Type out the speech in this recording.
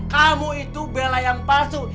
kamu itu bela yang palsu